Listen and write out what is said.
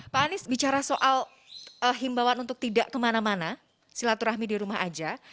pak anies bicara soal himbawan untuk tidak kemana mana silaturahmi di rumah aja